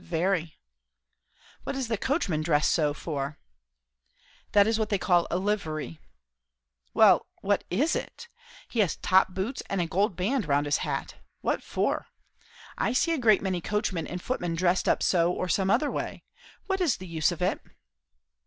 "Very." "What is the coachman dressed so for?" "That is what they call a livery." "Well, what is it? He has top boots and a gold band round his hat. What for? I see a great many coachmen and footmen dressed up so or some other way. What is the use of it?"